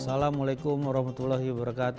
assalamualaikum wr wb